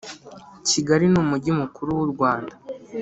Kigali ni umujyi mukuru wu Rwanda